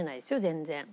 全然。